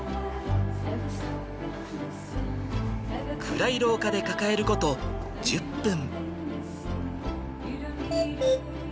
暗い廊下で抱えること１０分。